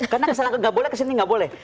karena keselakaan nggak boleh kesini nggak boleh